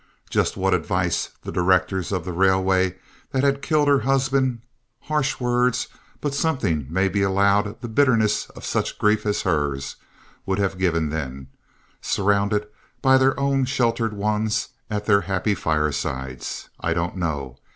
Just what advice the directors of the railway that had killed her husband harsh words, but something may be allowed the bitterness of such grief as hers would have given then, surrounded by their own sheltered ones at their happy firesides, I don't know.